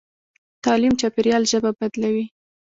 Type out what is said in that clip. تعلیم چاپېریال ژبه بدلوي.